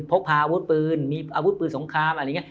พกพาอาวุธปืนมีอาวุธปืนสงครามอะไรอย่างนี้